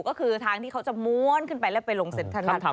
ก็คือทางที่เขาจะม้วนขึ้นไปและไปลงเซนทรานด์ค่ะ